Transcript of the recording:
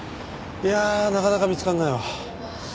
いやあなかなか見つからないわ。